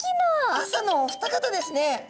朝のお二方ですね。